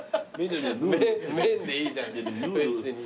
麺でいいじゃん別に。